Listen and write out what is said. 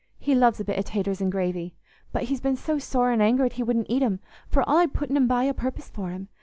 He loves a bit o' taters an' gravy. But he's been so sore an' angered, he wouldn't ate 'em, for all I'd putten 'em by o' purpose for him.